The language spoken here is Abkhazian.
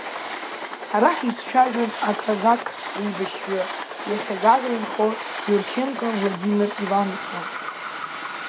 Ҳара ҳиҿцәажәон аказақ еибашьҩы, иахьа Гагра инхо Иурченко Владимир Иван-иԥа.